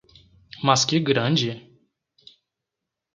Mas que grande!